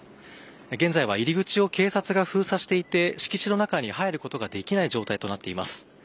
現在は入口を警察が封鎖していて敷地の中に入ることができない状態となっています。